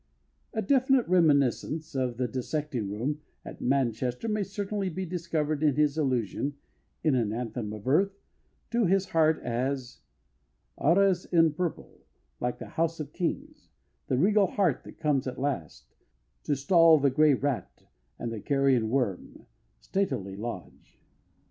A definite reminiscence of the dissecting room at Manchester may certainly be discovered in his allusion (in An Anthem of Earth) to the heart as Arras'd in purple like the house of kings, the regal heart that comes at last To stall the grey rat, and the carrion worm Statelily lodge.